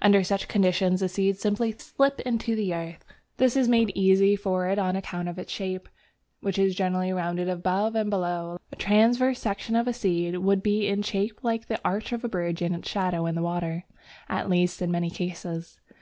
Under such conditions the seed simply slips into the earth. This is made easy for it on account of its shape, which is generally rounded above and below. A transverse section of a seed would be in shape like the arch of a bridge and its shadow in the water, at least in many cases.